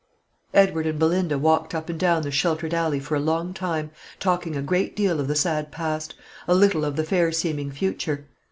Edward and Belinda walked up and down the sheltered alley for a long time, talking a great deal of the sad past, a little of the fair seeming future.